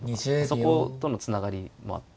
そことのつながりもあって。